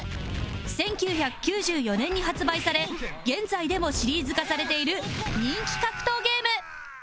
１９９４年に発売され現在でもシリーズ化されている人気格闘ゲーム